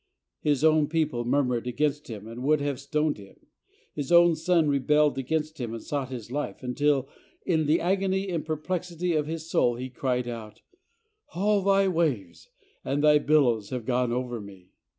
His own peo ple murmured against him and would have stoned him.. His own son rebelled against him and sought his life, until in the agony and perplexity of his soul he cried out, "All Thy waves and Thy billows have gone over me." USE OF HIS BIBLE.